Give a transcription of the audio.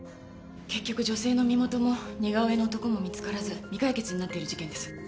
結局女性の身元も似顔絵の男も見つからず未解決になっている事件です。